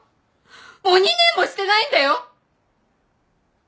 もう２年もしてないんだよ！